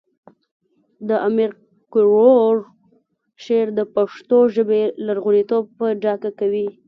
د امیر کروړ شعر د پښتو ژبې لرغونتوب په ډاګه کوي